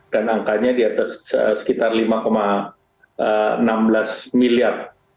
dan angkanya di atas sekitar lima enam belas miliar